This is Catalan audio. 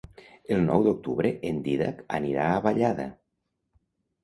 El nou d'octubre en Dídac anirà a Vallada.